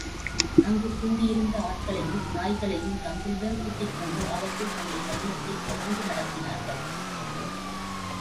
அங்கு குந்தியிருந்த ஆட்களையும் நாய்களையும் தங்களுடன் கூட்டிக்கொண்டு அவர்கள் தங்கள் பயணத்தைத் தொடர்ந்து நடத்தினார்கள்.